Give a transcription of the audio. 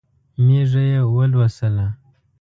مېږه یې ولوسله.